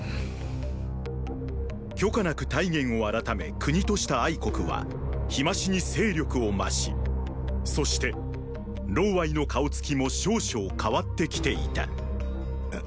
許可なく太原を改め国とした国は日増しに勢力を増しーーそしての顔つきも少々変わってきていた。